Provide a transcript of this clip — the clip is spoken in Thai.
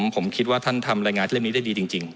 ผมคิดว่าท่านทำรายงานเรื่องนี้ได้ดีจริง